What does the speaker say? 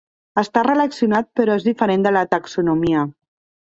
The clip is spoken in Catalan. Està relacionat però és diferent de la taxonomia.